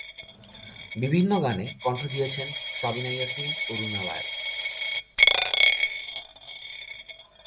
বিভিন্ন গানে কণ্ঠ দিয়েছেন সাবিনা ইয়াসমিন ও রুনা লায়লা।